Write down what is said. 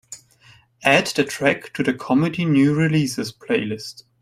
Add the track to the comedy new releases playlist.